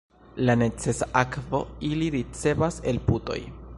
La necesa akvo ili ricevas el putoj.